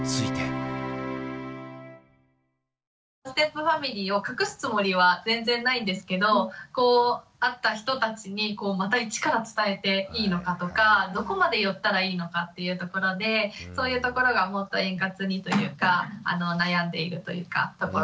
ステップファミリーを隠すつもりは全然ないんですけど会った人たちにまた一から伝えていいのかとかどこまで言ったらいいのかっていうところでそういうところがもっと円滑にというか悩んでいるというかところです。